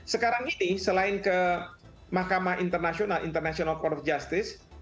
sekarang ini selain ke mahkamah internasional international corrup justice